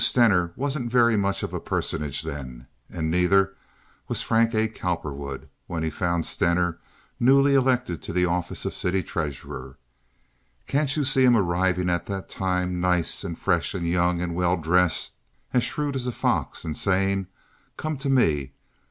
Stener wasn't very much of a personage then, and neither was Frank A. Cowperwood when he found Stener newly elected to the office of city treasurer. Can't you see him arriving at that time nice and fresh and young and well dressed, as shrewd as a fox, and saying: 'Come to me.